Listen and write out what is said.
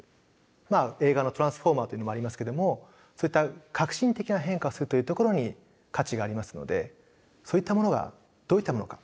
まあ映画の「トランスフォーマー」というのもありますけどもそういった革新的な変化をするというところに価値がありますのでそういったものがどういったものか。